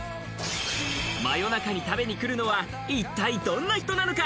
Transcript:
真夜中に食べに来るのは一体どんな人なのか？